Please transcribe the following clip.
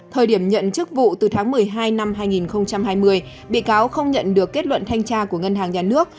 thời điểm nhận chức vụ từ tháng một mươi hai năm hai nghìn hai mươi bị cáo không nhận được kết luận thanh tra của ngân hàng nhà nước